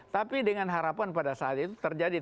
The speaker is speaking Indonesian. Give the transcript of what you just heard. tapi dengan harapan pada saat itu terjadi